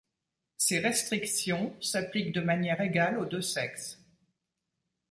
Ces restrictions s'appliquent de manière égale aux deux sexes.